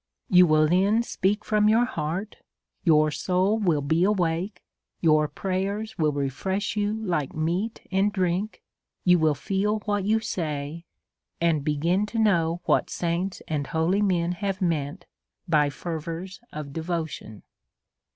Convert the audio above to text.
You will then speak from your heart, your soul will be awake, your pray ers will refresh you like meat and drink, you will feel what you say, and begin to know what saints and holy men have meant by fervours of devotion.